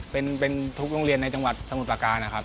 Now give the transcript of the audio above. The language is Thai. เป็นทุกโรงเรียนในจังหวัดสมุทรประการนะครับ